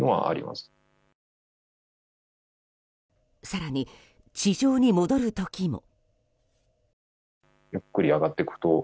更に、地上に戻る時も。